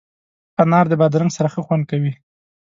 انار د بادرنګ سره ښه خوند کوي.